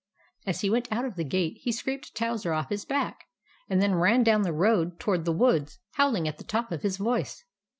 As he went out of the gate he scraped Towser off his back, and then ran down the road toward the woods, howling at the top of his voice.